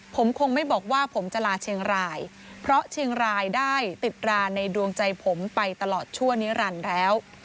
ผมคงไม่บอกว่าผมจะลาเชียงรายเพราะเชียงรายได้ติดราในดวงใจผมไปตลอดชั่วนิรันดิ์แล้ว